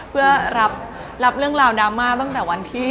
เพื่อรับเรื่องราวดราม่าตั้งแต่วันที่